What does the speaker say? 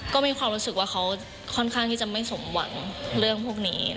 ก็มีความรู้สึกว่าเขาค่อนข้างที่จะไม่สมหวังเรื่องพวกนี้